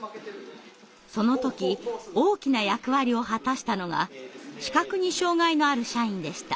その時大きな役割を果たしたのが視覚に障害のある社員でした。